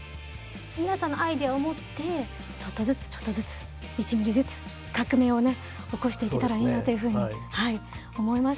皆さんのアイデアを持ってちょっとずつちょっとずつ１ミリずつ革命をね起こしていけたらいいなというふうにはい思いました。